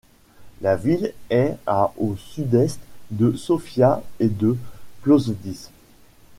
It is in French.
La ville est à au sud-est de Sofia et de Plovdiv.